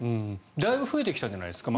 だいぶ増えてきたんじゃないんですか。